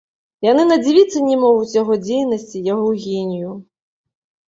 Яны надзівіцца не могуць яго дзейнасці, яго генію.